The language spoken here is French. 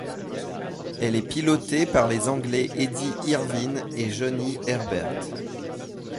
Elle est pilotée par les Anglais Eddie Irvine et Johnny Herbert.